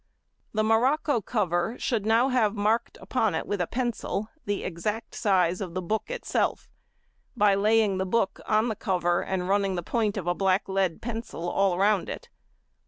The morocco |91| cover should now have marked upon it with a pencil the exact size of the book itself, by laying the book on the cover, and running the point of a black lead pencil all round it.